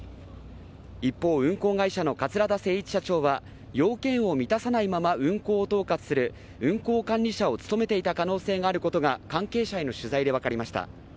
一方、運行会社の桂田精一社長は要件を満たさないまま運航を統括する運航管理者を務めていた可能性があることが関係者への取材で分かりました。